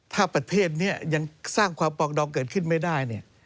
ถ้าประเทศนี้ยังสร้างความปลองดองเกิดขึ้นไม่ได้เนี่ย